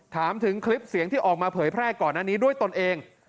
ถามถึงคลิปเสียงที่ออกมาเผยแพร่ก่อนอันนี้ด้วยตนเอง